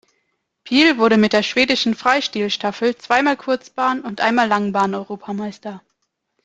Piehl wurde mit der schwedischen Freistilstaffel zweimal Kurzbahn- und einmal Langbahn-Europameister.